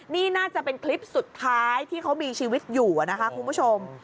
นี่น่าจะเป็นคลิปสุดท้ายที่เขามีชีวิตอยู่นะคะคุณผู้ชม